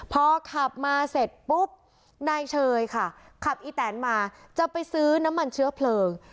พอขับมาเสร็จปุ๊บนายเชยค่ะขับอีแตนมาจะไปซื้อน้ำมันเชื้อเพลิง